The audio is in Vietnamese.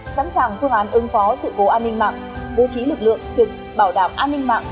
sẵn sàng phương án ứng phó sự cố an ninh mạng bố trí lực lượng trực bảo đảm an ninh mạng